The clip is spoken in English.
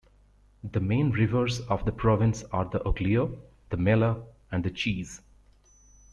The main rivers of the province are the Oglio, the Mella and the Chiese.